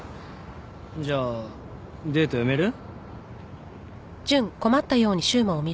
じゃあデートやめる？